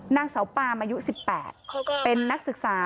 นางสาวปามอายุ๑๘เป็นนักศึกษา